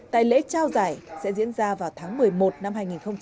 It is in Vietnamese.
tại lễ trao giải sẽ diễn ra vào tháng một mươi một năm hai nghìn hai mươi